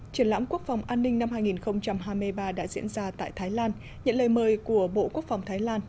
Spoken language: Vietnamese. triển lãm quốc phòng an ninh năm hai nghìn hai mươi ba đã diễn ra tại thái lan nhận lời mời của bộ quốc phòng thái lan